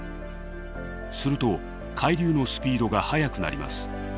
すると海流のスピードが速くなります。